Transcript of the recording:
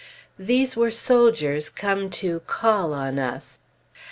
These were soldiers, come to "call" on us.